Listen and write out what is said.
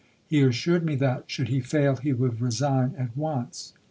He assured me that, should he fail, he would resign at once.